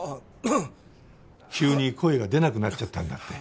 急に声が出なくなっちゃったんだって。